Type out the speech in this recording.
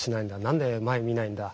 何で前を見ないんだ？